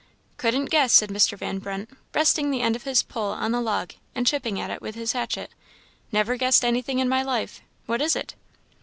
"Couldn't guess," said Mr. Van Brunt, resting the end of his pole on the log, and chipping at it with his hatchet "never guessed anything in my life what is it?"